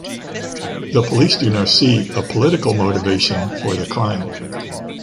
The police do no see a political motivation for the crime.